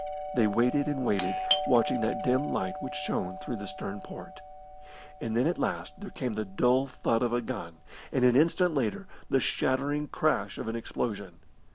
They waited and waited watching that dim light which shone through the stem port. And then at last there came the dull thud of a gun, and an instant later the shattering crash of an explosion.